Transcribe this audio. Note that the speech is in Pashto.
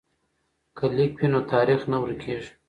که لیک وي نو تاریخ نه ورکیږي.